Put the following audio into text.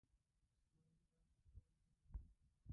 اسمايي غر په کابل کې دی